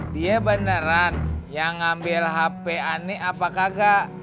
dia beneran yang ngambil hp anik apa kagak